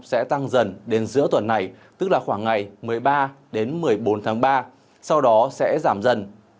sẽ tăng dần đến giữa tuần này tức là khoảng ngày một mươi ba đến một mươi bốn tháng ba sau đó sẽ giảm dần